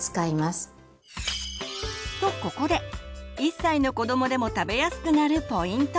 とここで１歳の子どもでも食べやすくなるポイント！